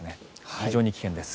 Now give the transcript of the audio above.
非常に危険です。